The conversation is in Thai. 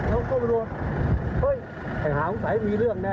แล้วก็มาดูเฮ้ยหาคุณภัยมีเรื่องแน่เว้ย